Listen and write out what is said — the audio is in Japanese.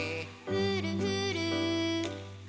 ふるふる。